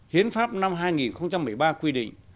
hiến pháp năm hai nghìn một mươi ba quy định